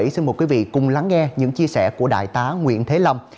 xin mời quý vị cùng lắng nghe những chia sẻ của đại tá nguyễn thế long